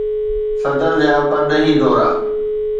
صدر جا پرڏيهي دورا